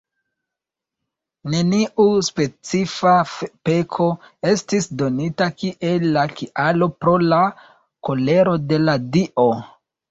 Neniu specifa peko estis donita kiel la kialo pro la kolero de la dio.